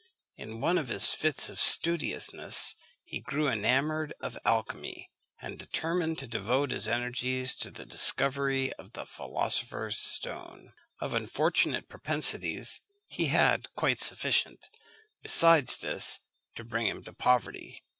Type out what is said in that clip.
In one of his fits of studiousness he grew enamoured of alchymy, and determined to devote his energies to the discovery of the philosopher's stone. Of unfortunate propensities he had quite sufficient, besides this, to bring him to poverty.